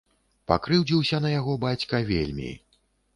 Пакрыўдзіўся на яго бацька вельмі.